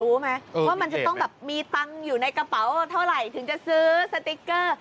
รู้ไหมว่ามันจะต้องแบบมีตังค์อยู่ในกระเป๋าเท่าไหร่ถึงจะซื้อสติ๊กเกอร์